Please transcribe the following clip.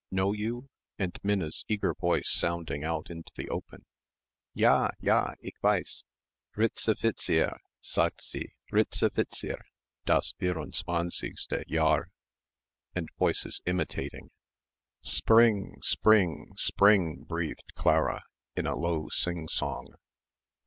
Know you?" and Minna's eager voice sounding out into the open, "D'ja, d'ja, ich weiss Ritzifizier, sagt sie, Ritzifizier, das vierundzwanzigste Jahr!" and voices imitating. "Spring! Spring! Spring!" breathed Clara, in a low sing song.